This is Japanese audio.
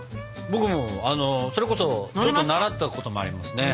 僕もあのそれこそちょっと習ったこともありますね。